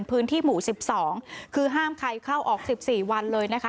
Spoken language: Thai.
พื้นที่หมู่๑๒คือห้ามใครเข้าออก๑๔วันเลยนะคะ